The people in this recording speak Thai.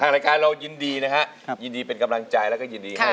รายการเรายินดีนะฮะยินดีเป็นกำลังใจแล้วก็ยินดีให้